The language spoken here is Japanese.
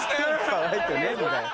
かわいくねえんだよ。